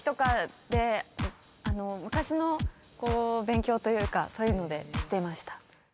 あの昔の勉強というかそういうので知っていました。